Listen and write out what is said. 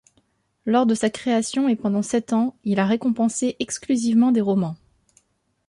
Lors de sa création, et pendant sept ans, il a récompensé exclusivement des romans.